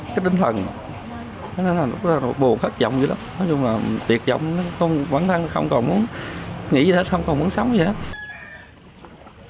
cái đinh thần cái bồn khát vọng vậy đó nói chung là tuyệt vọng bản thân không còn muốn nghỉ gì hết không còn muốn sống gì hết